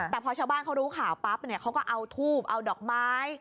แต่พอชาวบ้านเขารู้ข่าวปั๊บเนี่ยเขาก็เอาทูบเอาดอกไม้